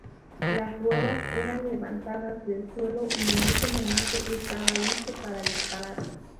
Las ruedas eran levantadas del suelo y en ese momento estaba listo para disparar.